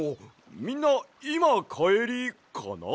みんないまかえりかな？